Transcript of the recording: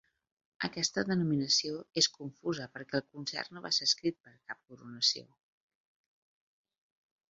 Aquesta denominació és confusa perquè el concert no va ser escrit per a cap coronació.